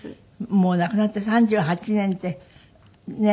もう亡くなって３８年ってねえ。